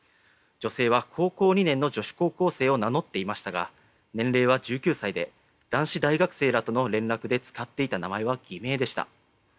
女性は高校２年の女子高校生を名乗っていましたが年齢は１９歳で男子大学生らとの連絡で使っていた名前は偽名でした。